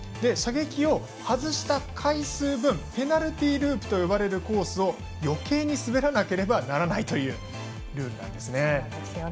射撃を外した回数分ペナルティーループと呼ばれるコースを余計に滑らなければならないというルールなんですね。